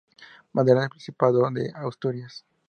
Bandera del Principado de Asturias